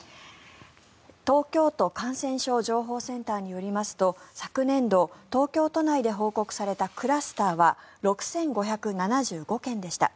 東京都感染症情報センターによりますと昨年度、東京都内で報告されたクラスターは６５７５件でした。